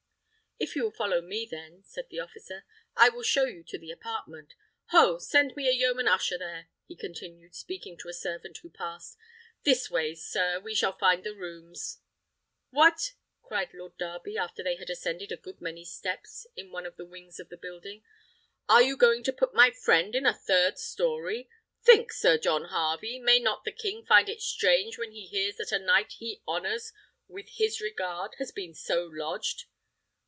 "If you will follow me, then," said the officer, "I will show you to the apartment. Ho! send me a yeoman usher there," he continued, speaking to a servant who passed. "This way, sir, we shall find the rooms." "What!" cried Lord Darby, after they had ascended a good many steps in one of the wings of the building; "are you going to put my friend in a third story? Think, Sir John Harvey, may not the king find it strange when he hears that a knight he honours with his regard has been so lodged?"